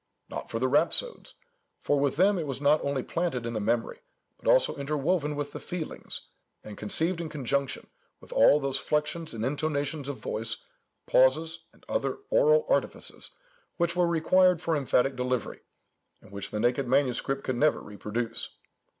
Not for the rhapsodes; for with them it was not only planted in the memory, but also interwoven with the feelings, and conceived in conjunction with all those flexions and intonations of voice, pauses, and other oral artifices which were required for emphatic delivery, and which the naked manuscript could never reproduce.